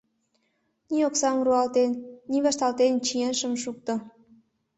Ни оксам руалтен, ни вашталтен чиен шым шукто...